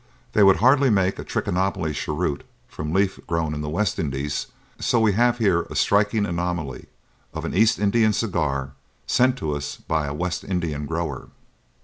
They would hardly make a Trichinopoly cheroot from leaf grown in the West Indies, so we have here a striking anomaly of an East Indian cigar sent to us by a West Indian grower."